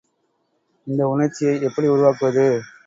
இந்த உணர்ச்சியை எப்படி உருவாக்குவது?